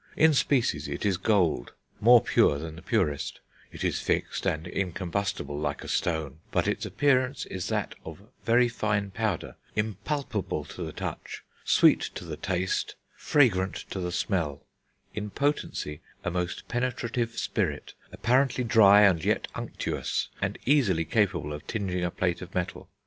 In species it is gold, more pure than the purest; it is fixed and incombustible like a stone, but its appearance is that of very fine powder, impalpable to the touch, sweet to the taste, fragrant to the smell, in potency a most penetrative spirit, apparently dry and yet unctuous, and easily capable of tinging a plate of metal....